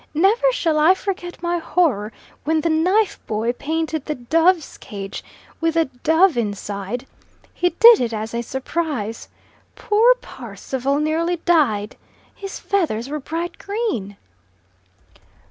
Never shall I forget my horror when the knife boy painted the dove's cage with the dove inside. He did it as a surprise. Poor Parsival nearly died. His feathers were bright green!"